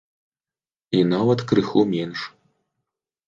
І нават крыху менш.